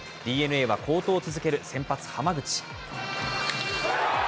ＤｅＮＡは好投を続ける先発、浜口。